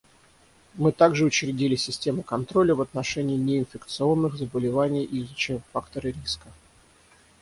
Мы также учредили системы контроля в отношении неинфекционных заболеваний и изучаем факторы риска.